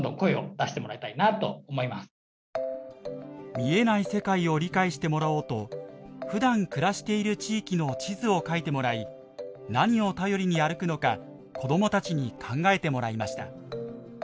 見えない世界を理解してもらおうとふだん暮らしている地域の地図をかいてもらい何を頼りに歩くのか子どもたちに考えてもらいました。